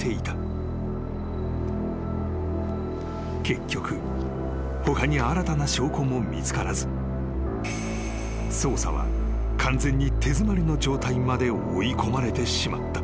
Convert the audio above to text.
［結局他に新たな証拠も見つからず捜査は完全に手詰まりの状態まで追い込まれてしまった］